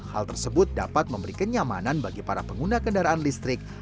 hal tersebut dapat memberi kenyamanan bagi para pengguna kendaraan listrik